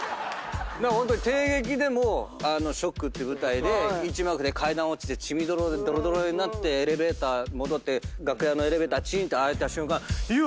ホントに帝劇でも『ＳＨＯＣＫ』って舞台で１幕で階段落ちて血みどろでどろどろになってエレベーター戻って楽屋のエレベーターチンって開いた瞬間。